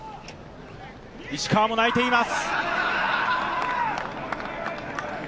石川も泣いています。